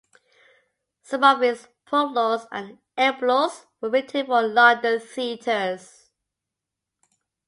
Some of his prologues and epilogues were written for the London theatres.